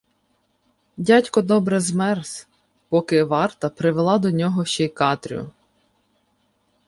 Дядько добре змерз, поки варта привела до нього ще й Катрю.